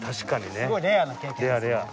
すごいレアな経験ですよね。